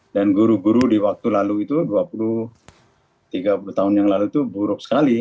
dan guru guru di waktu lalu itu dua puluh tiga puluh tahun yang lalu itu buruk sekali